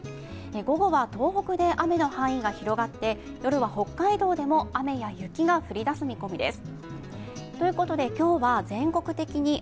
午後は東北で雨の範囲が広がって夜は北海道でも雨や雪が降り出す見込みです。